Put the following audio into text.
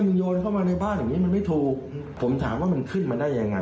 มันโยนเข้ามาในบ้านอย่างนี้มันไม่ถูกผมถามว่ามันขึ้นมาได้ยังไง